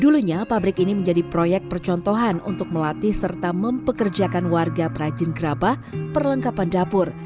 dulunya pabrik ini menjadi proyek percontohan untuk melatih serta mempekerjakan warga perajin gerabah perlengkapan dapur